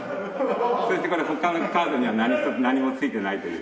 そしてこれ他のカードには何一つ何もついてないという。